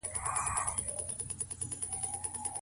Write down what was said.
ولي افغان سوداګر کرنیز ماشین الات له پاکستان څخه واردوي؟